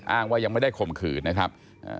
อ้างว่ายังไม่ได้ข่มขืนนะครับ